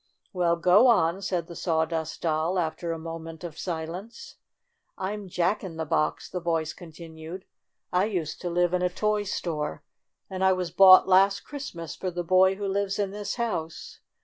"Well, go on," said the Sawdust Doll, after a moment of silence. "I'm Jack in the Box," the voice con tinued. "I used to live in a toy store, and I was bought last Christmas for the boy who lives in this house.